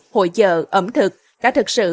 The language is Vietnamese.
hội chợ ẩm thực đã thực sự